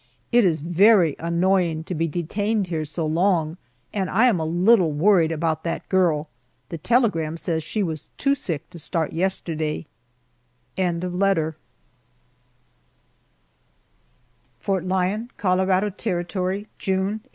It is very annoying to be detained here so long, and I am a little worried about that girl. The telegram says she was too sick to start yesterday. FORT LYON, COLORADO TERRITORY, June, 1873.